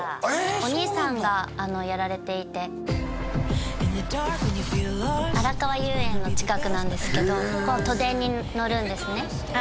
お兄さんがあのやられていてあらかわ遊園の近くなんですけどここ都電に乗るんですねああ